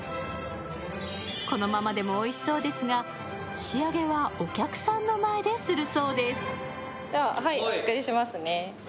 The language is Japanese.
このままでもおいしそうですが、仕上げはお客さんの前でするそうです。